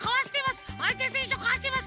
あいてせんしゅをかわしてます。